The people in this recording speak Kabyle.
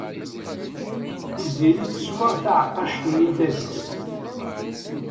Tiziri teswa taɛeqqact-nni n tadist.